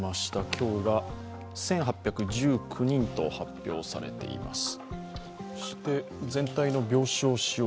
今日が１８１９人と発表されています。